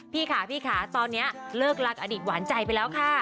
พี่ค่ะพี่ค่ะตอนนี้เลิกรักอดีตหวานใจไปแล้วค่ะ